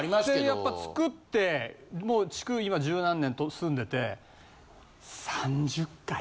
やっぱ造ってもう築今十何年と住んでて３０回。